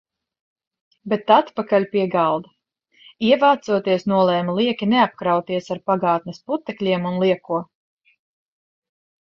Bet atpakaļ pie galda. Ievācoties nolēmu lieki neapkrauties ar pagātnes putekļiem un lieko.